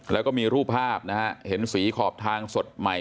แล้วก็มีรูปภาพนะฮะเห็นสีขอบทางสดใหม่